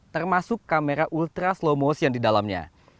termasuk kamera ultra slow motion di dalamnya